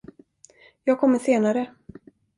Jag kommer senare.